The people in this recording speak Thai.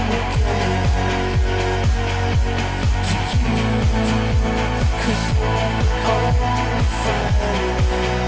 แล้วก็พี่อัมร้องแมว